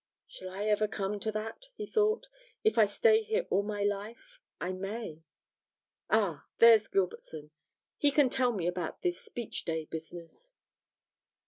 'Shall I ever come to that?' he thought. 'If I stay here all my life, I may. Ah, there's Gilbertson he can tell me about this Speech day business.'